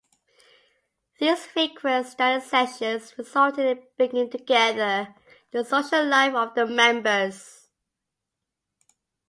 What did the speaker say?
These frequent study sessions resulted in bringing together the social life of the members.